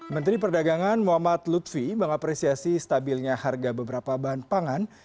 menteri perdagangan muhammad lutfi mengapresiasi stabilnya harga beberapa bahan pangan